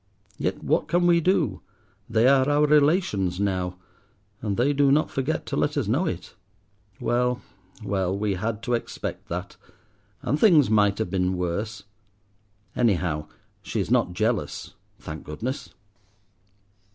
Yet what can we do? they are our relations now, and they do not forget to let us know it. Well, well, we had to expect that, and things might have been worse. Anyhow she is not jealous—thank goodness.